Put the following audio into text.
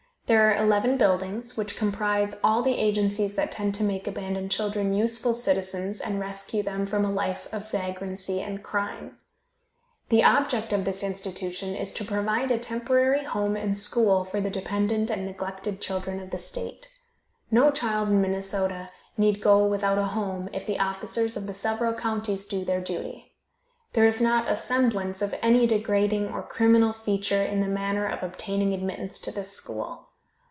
There are eleven buildings, which comprise all the agencies that tend to make abandoned children useful citizens and rescue them from a life of vagrancy and crime. The object of this institution is to provide a temporary home and school for the dependent and neglected children of the state. No child in Minnesota need go without a home if the officers of the several counties do their duty. There is not a semblance of any degrading or criminal feature in the manner of obtaining admittance to this school.